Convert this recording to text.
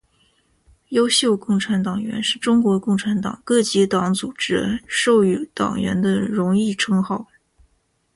优秀共产党员是中国共产党各级党组织授予党员的荣誉称号。